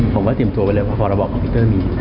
ผมว่าเตรียมตัวไปเร็วเพราะบอกว่าคอมพิวเตอร์มี